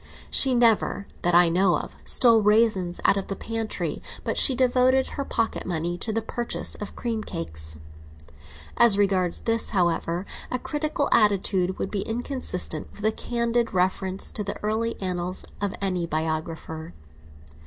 She never, that I know of, stole raisins out of the pantry; but she devoted her pocket money to the purchase of cream cakes. As regards this, however, a critical attitude would be inconsistent with a candid reference to the early annals of any biographer.